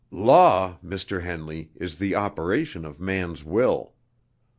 "Law, Mr. Henley, is the operation of man's will.